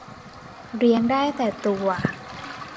เลี้ยงได้แต่ตัว